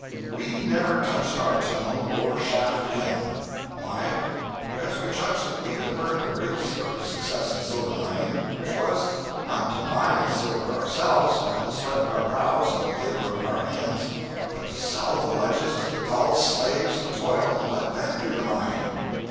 We never touched our tunnel or our shaft again. Why? Because we judged that we had learned the real secret of success in silver mining—which was, not to mine the silver ourselves by the sweat of our brows and the labor of our hands, but to sell the ledges to the dull slaves of toil and let them do the mining!